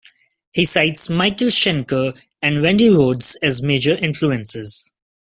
He cites Michael Schenker and Randy Rhoads as major influences.